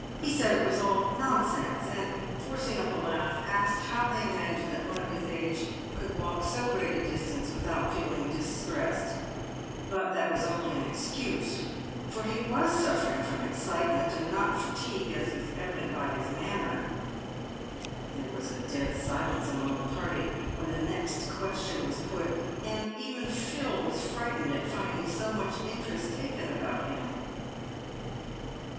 He said it was all nonsense, and, forcing up a laugh, asked how they imagined that one of his age could walk so great a distance without feeling dis tressed ? But that was only an excuse, for he was suffering from excitement, and not fatigue, as was evident by his manner. There was a dead silence among the party when the next question was put, and even Phil was frightened at finding so much interest taken about him.